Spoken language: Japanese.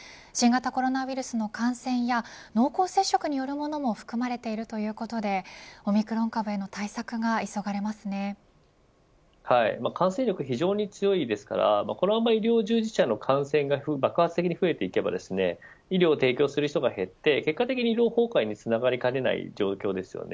新型コロナウイルスの感染や濃厚接触によるものも含まれているということでオミクロン株への対策が感染力、非常に強いですからこのまま医療従事者の感染が爆発的に増えれば医療を提供する人が減って、医療崩壊につながりかねません。